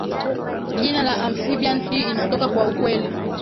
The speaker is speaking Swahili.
jina la amphibian hii inatoka kwa ukweli